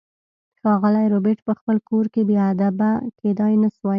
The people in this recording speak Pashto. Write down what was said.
ښاغلی ربیټ په خپل کور کې بې ادبه کیدای نشوای